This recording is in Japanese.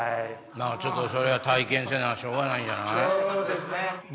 まぁちょっとそれは体験せなしょうがないんじゃない？